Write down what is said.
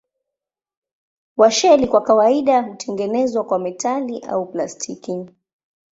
Washeli kwa kawaida hutengenezwa kwa metali au plastiki.